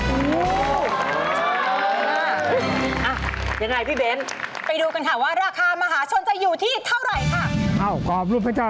ยังไงพี่เบ้นไปดูกันค่ะว่าราคามหาชนจะอยู่ที่เท่าไหร่ค่ะ